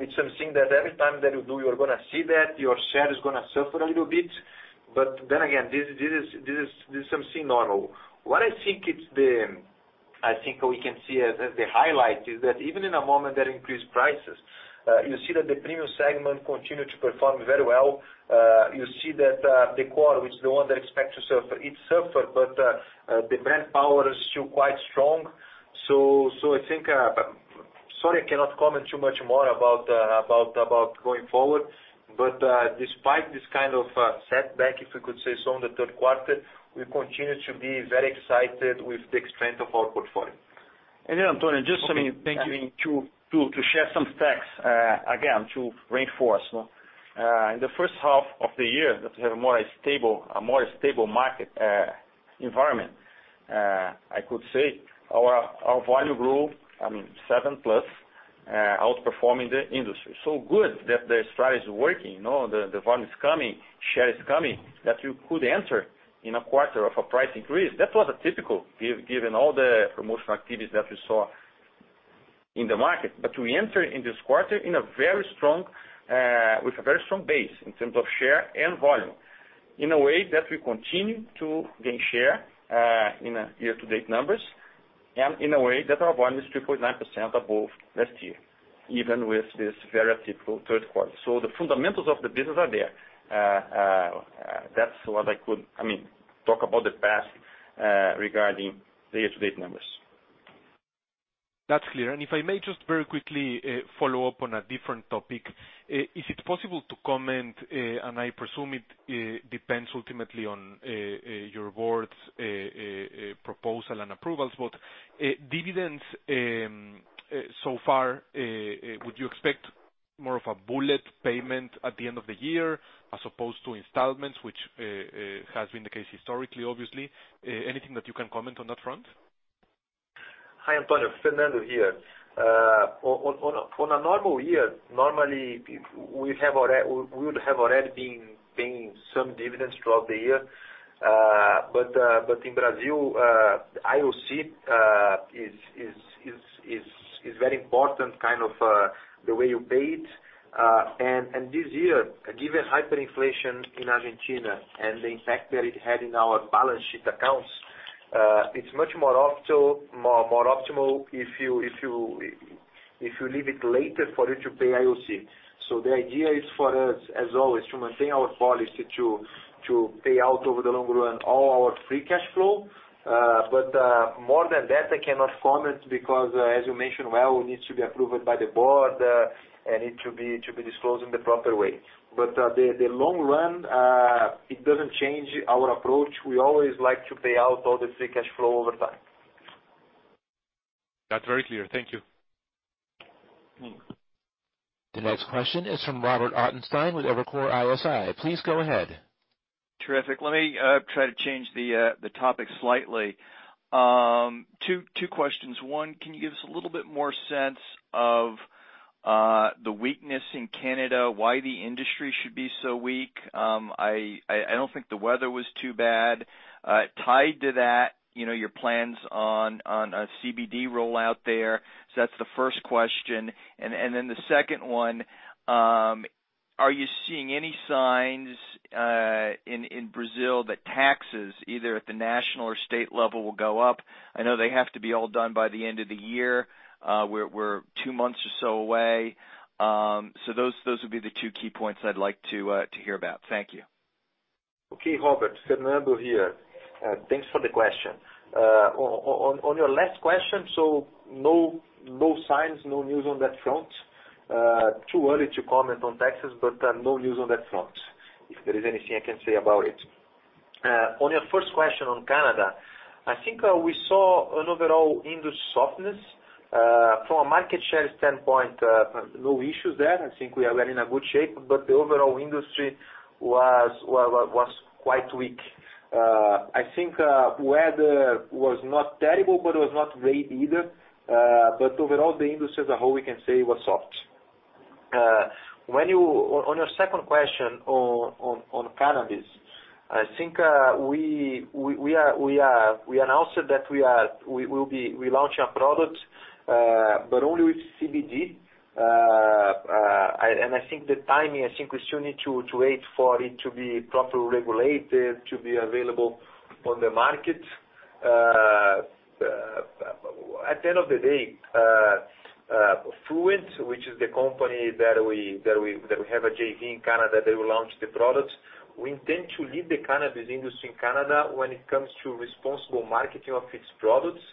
It's something that every time that you do, you're gonna see that. Your share is gonna suffer a little bit. But then again, this is something normal. I think we can see as the highlight is that even in a moment that increased prices, you see that the premium segment continued to perform very well. You see that the core, which is the one that expect to suffer, it suffered, but the brand power is still quite strong. I think. Sorry, I cannot comment too much more about going forward. Despite this kind of setback, if we could say so, in the third quarter, we continue to be very excited with the strength of our portfolio. Antonio- Okay, thank you.... I mean, to share some facts, again, to reinforce. In the first half of the year that we have a more stable market environment, I could say our volume grew, I mean, 7%+, outperforming the industry. Good that the strategy is working, you know, the volume is coming, share is coming, that you could enter in a quarter of a price increase. That was atypical given all the promotional activities that you saw in the market. We enter in this quarter in a very strong with a very strong base in terms of share and volume, in a way that we continue to gain share in a year-to-date numbers. In a way that our volume is 3.9% above last year, even with this very difficult third quarter. The fundamentals of the business are there. I mean, talk about the past regarding the year-to-date numbers. That's clear. If I may just very quickly follow up on a different topic. Is it possible to comment, and I presume it depends ultimately on your board's proposal and approvals. Dividends so far would you expect more of a bullet payment at the end of the year as opposed to installments, which has been the case historically, obviously. Anything that you can comment on that front? Hi, Antonio. Fernando here. In a normal year, normally we would have already been paying some dividends throughout the year. In Brazil, IoC is very important kind of the way you pay it. This year, given hyperinflation in Argentina and the impact that it had in our balance sheet accounts, it's much more optimal if you leave it later for you to pay IoC. The idea is for us, as always, to maintain our policy to pay out over the long run all our free cash flow. More than that, I cannot comment because as you mentioned, well, it needs to be approved by the board, and it should be disclosed in the proper way. In the long run, it doesn't change our approach. We always like to pay out all the free cash flow over time. That's very clear. Thank you. Mm-hmm. The next question is from Robert Ottenstein with Evercore ISI. Please go ahead. Terrific. Let me try to change the topic slightly. Two questions. One, can you give us a little bit more sense of the weakness in Canada, why the industry should be so weak? I don't think the weather was too bad. Tied to that, you know, your plans on a CBD rollout there. So that's the first question. Then the second one, are you seeing any signs in Brazil that taxes, either at the national or state level, will go up? I know they have to be all done by the end of the year. We're two months or so away. So those would be the two key points I'd like to hear about. Thank you. Okay, Robert. Fernando here. Thanks for the question. On your last question, so no signs, no news on that front. Too early to comment on taxes, but no news on that front, if there is anything I can say about it. On your first question on Canada, I think we saw an overall industry softness. From a market share standpoint, no issues there. I think we are really in a good shape, but the overall industry was quite weak. I think weather was not terrible, but it was not great either. Overall, the industry as a whole, we can say was soft. When you on your second question on cannabis, I think we announced that we'll be relaunching a product, but only with CBD. I think the timing, I think we still need to wait for it to be properly regulated to be available on the market. At the end of the day, Fluent, which is the company that we have a JV in Canada, they will launch the product. We intend to lead the cannabis industry in Canada when it comes to responsible marketing of its products,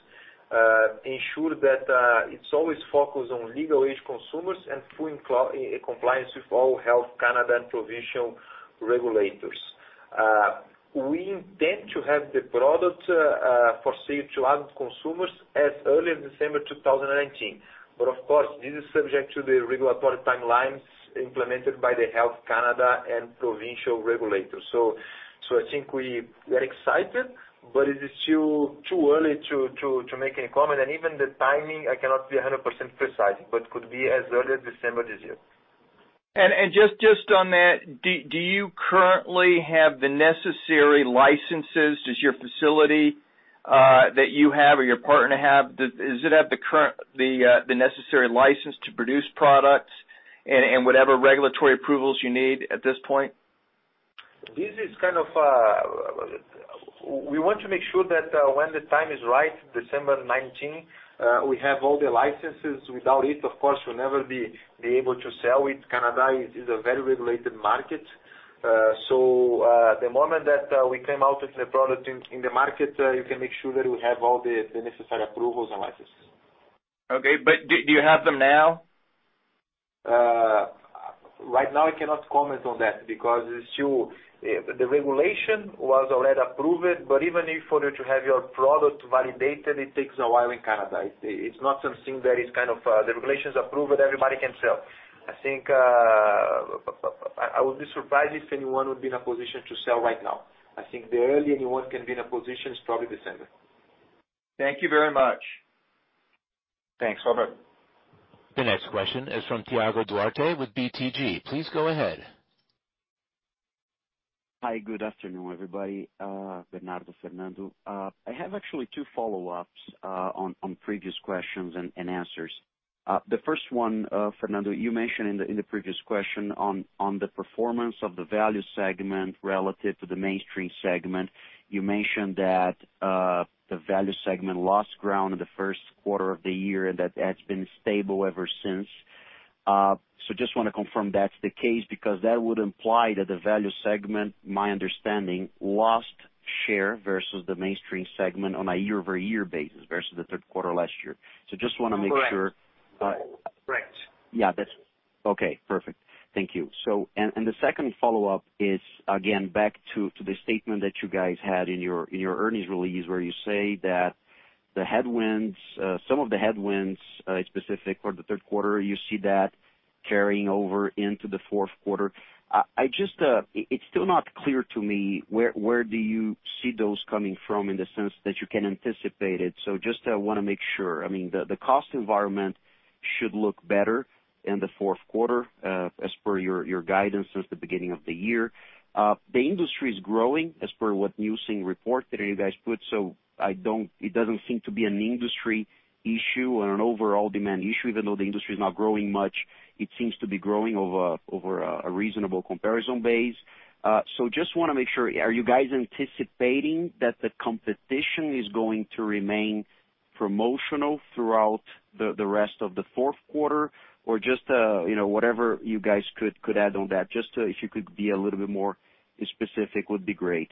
ensure that it's always focused on legal age consumers and fully in compliance with all Health Canada and provincial regulators. We intend to have the product for sale to adult consumers as early as December 2019. Of course, this is subject to the regulatory timelines implemented by Health Canada and provincial regulators. I think we are excited, but it is still too early to make any comment. Even the timing, I cannot be 100% precise, but could be as early as December this year. Just on that, do you currently have the necessary licenses? Does your facility that you have or your partner have, does it have the necessary license to produce products and whatever regulatory approvals you need at this point? We want to make sure that when the time is right, December 2019, we have all the licenses. Without it, of course, we'll never be able to sell it. Canada is a very regulated market. The moment that we come out with the product in the market, you can be sure that we have all the necessary approvals and licenses. Okay. Do you have them now? Right now I cannot comment on that because it's still. The regulation was already approved, but even if for you to have your product validated, it takes a while in Canada. It's not something that is kind of the regulation's approved, everybody can sell. I think I would be surprised if anyone would be in a position to sell right now. I think the earliest anyone can be in a position is probably December. Thank you very much. Thanks, Robert. The next question is from Thiago Duarte with BTG. Please go ahead. Hi. Good afternoon, everybody. Bernardo, Fernando. I have actually two follow-ups on previous questions and answers. The first one, Fernando, you mentioned in the previous question on the performance of the value segment relative to the mainstream segment. You mentioned that the value segment lost ground in the first quarter of the year and that has been stable ever since. Just wanna confirm that's the case, because that would imply that the value segment, my understanding, lost share versus the mainstream segment on a year-over-year basis versus the third quarter last year. Just wanna make sure. Correct. Correct. Yeah, that's okay. Perfect. Thank you. The second follow-up is, again, back to the statement that you guys had in your earnings release where you say that the headwinds, some of the headwinds specific for the third quarter, you see that carrying over into the fourth quarter. I just, it's still not clear to me where do you see those coming from in the sense that you can anticipate it. Just wanna make sure. I mean, the cost environment should look better in the fourth quarter, as per your guidance since the beginning of the year. The industry is growing as per what Nielsen report that you guys put. It doesn't seem to be an industry issue or an overall demand issue, even though the industry is not growing much. It seems to be growing over a reasonable comparison base. I just want to make sure, are you guys anticipating that the competition is going to remain promotional throughout the rest of the fourth quarter? Or just whatever you guys could add on that. If you could be a little bit more specific would be great.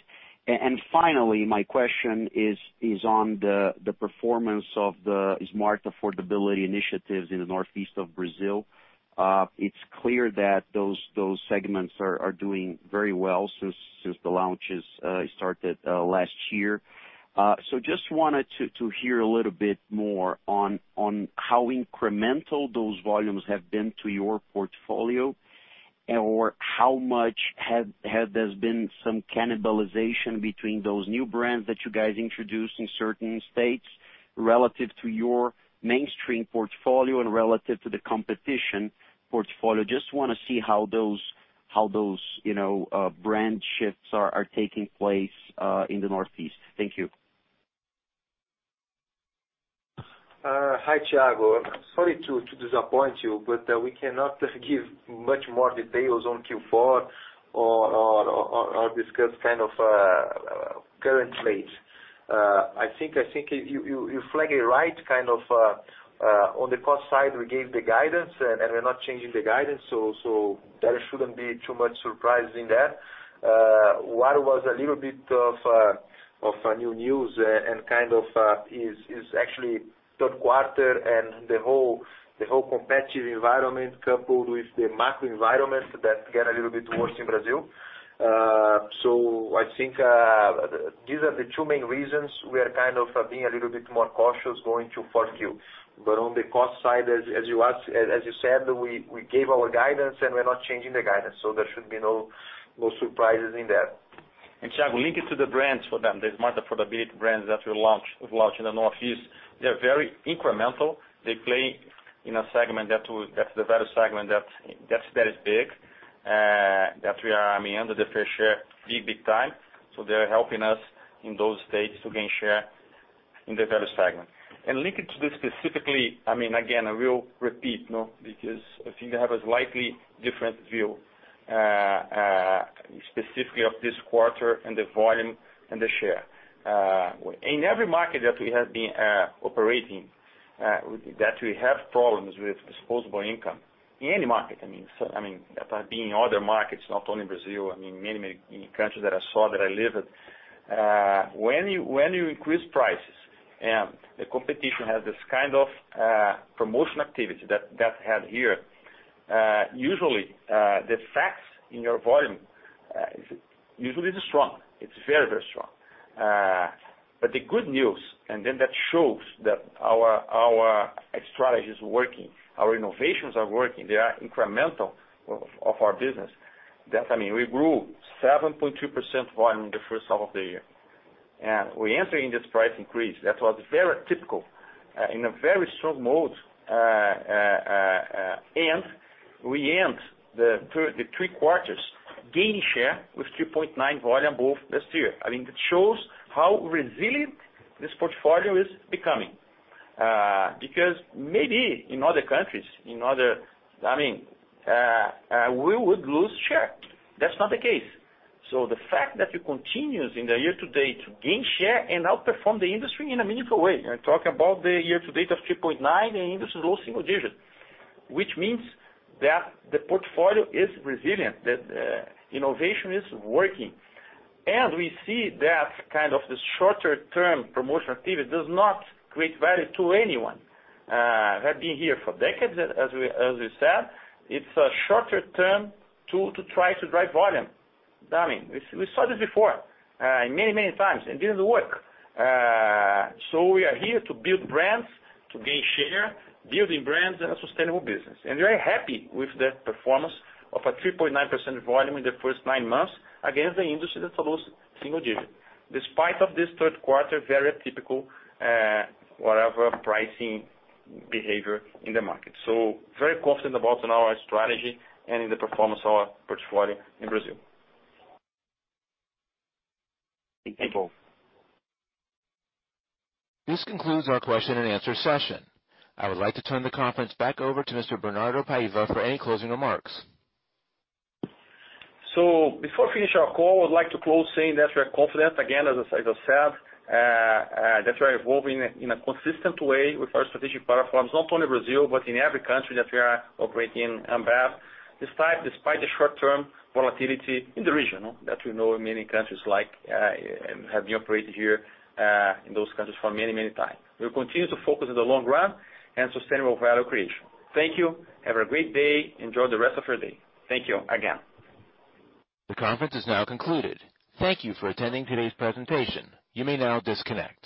Finally, my question is on the performance of the smart affordability initiatives in the Northeast of Brazil. It's clear that those segments are doing very well since the launches started last year. Just wanted to hear a little bit more on how incremental those volumes have been to your portfolio and/or how much has there been some cannibalization between those new brands that you guys introduced in certain states relative to your mainstream portfolio and relative to the competition portfolio. Just wanna see how those, you know, brand shifts are taking place in the Northeast. Thank you. Hi, Thiago. Sorry to disappoint you, but we cannot give much more details on Q4 or discuss kind of current rates. I think you flag it right, kind of on the cost side, we gave the guidance and we're not changing the guidance, so there shouldn't be too much surprise in that. What was a little bit of new news and kind of is actually third quarter and the whole competitive environment coupled with the macro environment that get a little bit worse in Brazil. I think these are the two main reasons we are kind of being a little bit more cautious going to 4Q. On the cost side, as you ask, as you said, we gave our guidance and we're not changing the guidance, so there should be no surprises in that. Thiago, linking to the brands for them, the smarter affordability brands that we launched in the Northeast. They're very incremental. They play in a segment that's the value segment that's very big, I mean, that we are under the fair share big, big time. They're helping us in those states to gain share in the value segment. Linking to this specifically, I mean, again, I will repeat, no, because I think they have a slightly different view, specifically of this quarter and the volume and the share. In every market that we have been operating that we have problems with disposable income. In any market, I mean, I mean, being in other markets, not only Brazil, I mean, many, many countries that I saw, that I lived. When you increase prices and the competition has this kind of promotion activity that we had here, usually the impact on your volume is strong. It's very strong. But the good news that shows that our strategy is working, our innovations are working, they are incremental to our business. That's, I mean, we grew 7.2% volume in the first half of the year. We enter in this price increase. That was very typical in a very strong mode. We end the three quarters gaining share with 3.9 volume over last year. I mean, it shows how resilient this portfolio is becoming. Because maybe in other countries, in other, we would lose share. That's not the case. The fact that we continue in the year-to-date to gain share and outperform the industry in a meaningful way. I'm talking about the year-to-date of 3.9%, and the industry is low single digits. Which means that the portfolio is resilient, that innovation is working. We see that kind of the shorter term promotion activity does not create value to anyone. We have been here for decades, as we said, it's a shorter term to try to drive volume. I mean, we saw this before, many times, and it didn't work. We are here to build brands, to gain share, building brands and a sustainable business. We are happy with the performance of a 3.9% volume in the first nine months against the industry that lost single digit. Despite of this third quarter, very typical, whatever pricing behavior in the market. Very confident about in our strategy and in the performance of our portfolio in Brazil. Thank you. Thank you. This concludes our question and answer session. I would like to turn the conference back over to Mr. Bernardo Paiva for any closing remarks. Before we finish our call, I would like to close saying that we are confident, again, as I just said, that we are evolving in a consistent way with our strategic platforms, not only Brazil, but in every country that we are operating Ambev. Despite the short-term volatility in the region that we know in many countries like, and have been operating here, in those countries for many, many times. We'll continue to focus on the long run and sustainable value creation. Thank you. Have a great day. Enjoy the rest of your day. Thank you again. The conference is now concluded. Thank you for attending today's presentation. You may now disconnect.